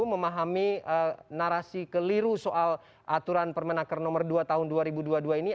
memahami narasi keliru soal aturan permenaker nomor dua tahun dua ribu dua puluh dua ini